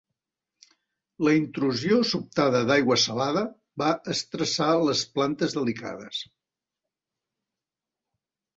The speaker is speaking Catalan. La intrusió sobtada d'aigua salada va estressar les plantes delicades.